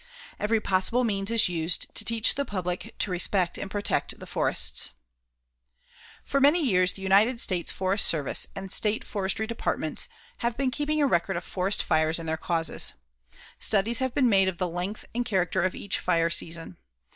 Every possible means is used to teach the public to respect and protect the forests. [Illustration: BLACKENED RUINS OF A FIRE SWEPT FOREST] For many years, the United States Forest Service and State Forestry Departments have been keeping a record of forest fires and their causes. Studies have been made of the length and character of each fire season.